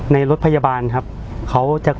พี่ชอบจริงบอกว่าชอบทุก